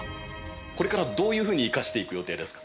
これからどういうふうに生かしていく予定ですか？